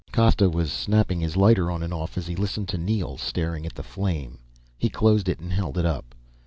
Costa was snapping his lighter on and off as he listened to Neel, staring at the flame. He closed it and held it up.